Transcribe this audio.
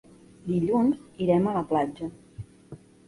Dilluns irem a la platja.